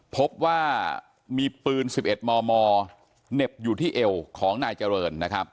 พบว่ามีปืน๑๑มมเหน็บอยู่ที่เอวของนายเจริญนะครับ